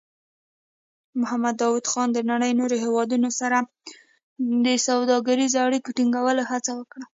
محمد داؤد خان د نړۍ نورو هېوادونو سره سوداګریزو اړیکو ټینګولو هڅه وکړه.